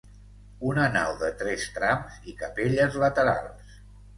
Una nau de tres trams i capelles laterals.